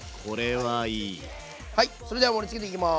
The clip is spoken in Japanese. はいそれでは盛りつけていきます。